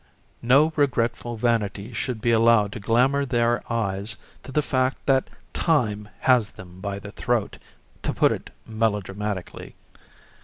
No regretful vanity should be allowed to glamour their eyes to the fact that Time has them by the throat, to put it melodramatically.